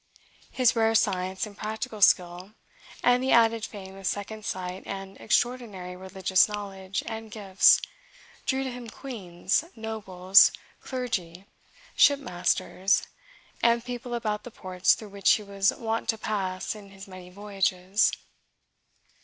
His rare science and practical skill, and the added fame of second sight and extraordinary religious knowledge and gifts, drew to him queens, nobles, clergy, shipmasters, and people about the ports through which he was wont to pass in his many voyages.